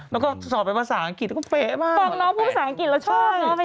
แล้วก็สอนไปภาษาอังกฤษก็เกลียดมาก